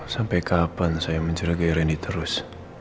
sampai kapan saya menjaga irene terus